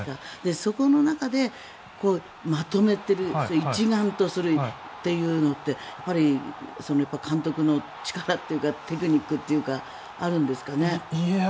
そこの中でまとめる一丸とするっていうのって監督の力というかテクニックというかあるんですかね。